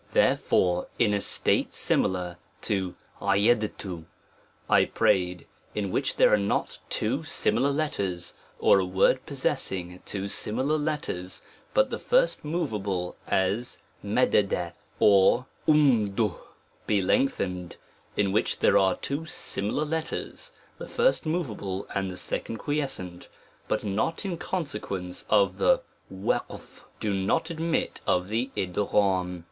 *xx THEREFORE, a word in a state similar to C<XAC I prayed, in which there are not two similar letters, or a word possessing two similar letters, A 9 op but the first moveable as ax; or as 6 j^J be lengthened, in which there are two similar letters, the first moveable, and the second quiescent, but " o " not in consequence of the cjii'^ do not admit of the Ual.